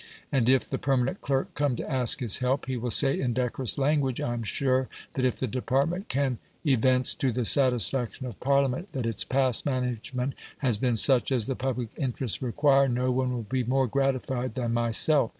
And if the permanent clerk come to ask his help, he will say in decorous language, "I am sure that if the department can evince to the satisfaction of Parliament that its past management has been such as the public interests require, no one will be more gratified than myself.